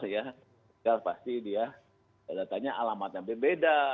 tinggal pasti dia datanya alamatnya berbeda